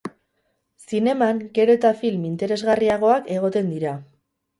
Zineman gero eta film interesgarriagoak egoten dira.